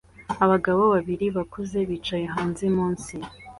Abagabo babiri bakuze bicaye hanze munsi